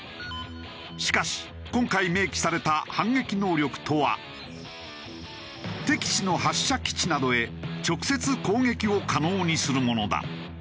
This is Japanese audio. しかし今回明記された反撃能力とは敵地の発射基地などへ直接攻撃を可能にするものだ。